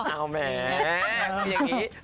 อ้าวแม่อย่างนี้